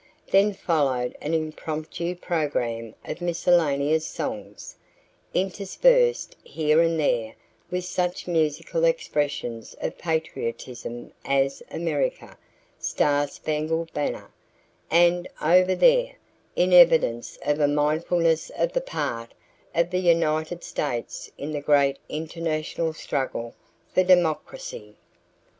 Then followed an impromptu program of miscellaneous songs, interspersed here and there with such musical expressions of patriotism as "America," "Star Spangled Banner," and "Over There," in evidence of a mindfulness of the part of the United States in the great international struggle for democracy.